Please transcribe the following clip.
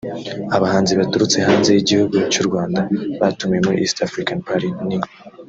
Abahanzi baturutse hanze y’igihugu cy’u Rwanda batumiwe muri East African Party ni